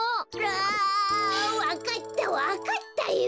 ああわかったわかったよ！